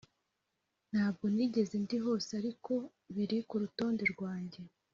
ntabwo nigeze ndi hose, ariko biri kurutonde rwanjye.